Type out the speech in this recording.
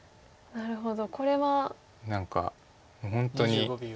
なるほど。